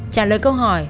trả lời câu hỏi